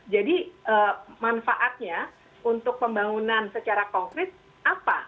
jadi manfaatnya untuk pembangunan secara konkret apa